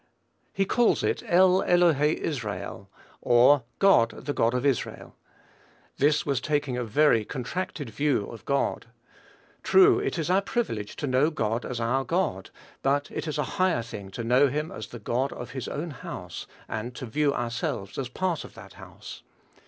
He calls it "El elohe Israel," or "God, the God of Israel." This was taking a very contracted view of God. True, it is our privilege to know God as our God; but it is a higher thing to know him as the God of his own house, and to view ourselves as part of that house.